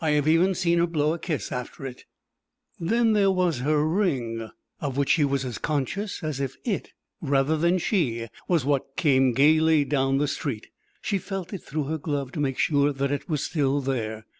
I have even seen her blow a kiss after it. Then there was her ring, of which she was as conscious as if it rather than she was what came gaily down the street. She felt it through her glove to make sure that it was still there.